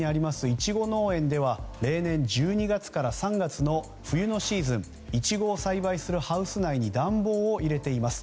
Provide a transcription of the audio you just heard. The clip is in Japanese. イチゴ農園では例年１２月から３月の冬のシーズンイチゴを栽培するハウス内に暖房を入れています。